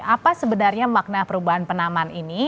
apa sebenarnya makna perubahan penaman ini